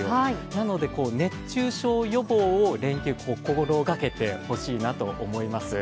なので熱中症予防を連休は心がけてほしいと思います。